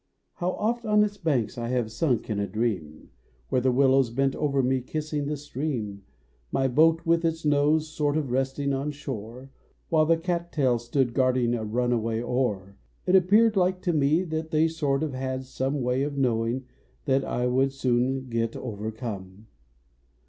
How oft on its banks 1 have sunk in a dream, Where the willows bent over me kissing the stream My boat with its nose sort of resting on slioi e, \Vhile the cattails stood guarding a runaway oar It appeared like to me, that they sort of had some Way of knowing that I would soon get overcome.